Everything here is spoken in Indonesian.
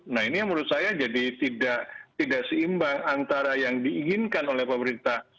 nah ini yang menurut saya jadi tidak seimbang antara yang diinginkan oleh pemerintah